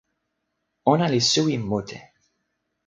ona li suwi mute!